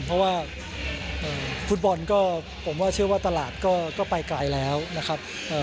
เพราะว่าฟุตบอลก็ผมว่าเชื่อว่าตลาดก็ไปไกลแล้วนะครับ